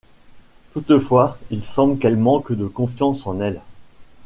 Toutefois, il semble qu'elle manque de confiance en elle.